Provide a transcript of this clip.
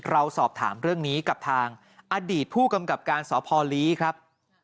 เราสอบถามเรื่องนี้กับทางอดีตผู้กำกับการสพลีครับ